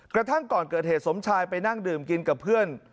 กระทั่งก่อนเกิดเหตุสมชายไปนั่งดื่มกินกับเพื่อน